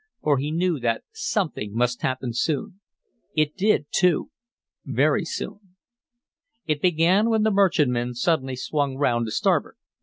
For he knew that something must happen soon. It did, too very soon. It began when the merchantman suddenly swung round to starboard.